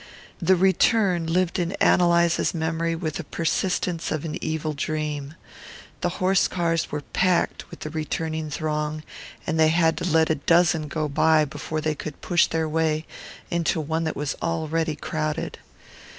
The return lived in Ann Eliza's memory with the persistence of an evil dream. The horse cars were packed with the returning throng, and they had to let a dozen go by before they could push their way into one that was already crowded.